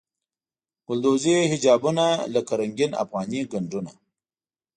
ګلدوزي حجابونه لکه رنګین افغاني ګنډونه.